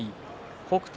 北勝